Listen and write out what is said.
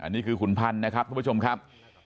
บุกค่ะคุณปะชมครับ